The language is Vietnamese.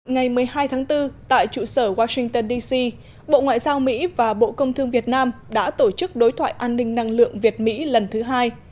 ngày một mươi hai tháng bốn tại trụ sở washington dc bộ ngoại giao mỹ và bộ công thương việt nam đã tổ chức đối thoại an ninh năng lượng việt mỹ lần thứ hai